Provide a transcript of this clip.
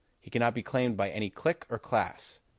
He cannot be claimed by any clique or class.